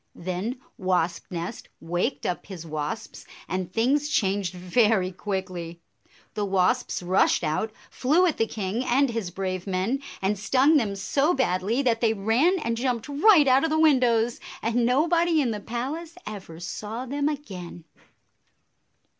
Then Wasp nest waked up his wasps, and things changed very quickly. The wasps rushed out, flew at the king and his brave men, and stung them so badly that they ran and jumped right out of the windows, and nobody in the palace ever saw them again.